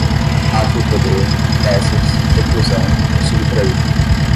pátrio poder, peças, reclusão, subtraído